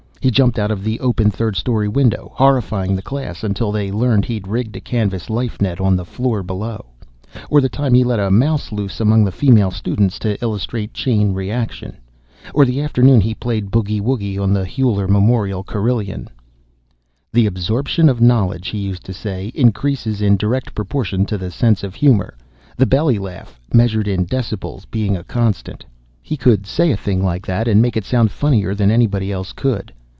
He jumped out of the open third story window, horrifying the class, until they learned he'd rigged a canvas life net on the floor below. Or the time he let a mouse loose among the female students to illustrate chain reaction. Or the afternoon he played boogie woogie on the Huyler Memorial Carillon. "The absorption of knowledge," he used to say, "increases in direct proportion to the sense of humor the belly laugh, measured in decibels, being constant." He could say a thing like that and make it sound funnier than anybody else could.